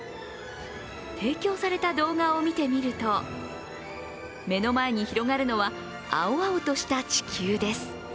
提供された動画を見てみると、目の前に広がるのは青々とした地球です。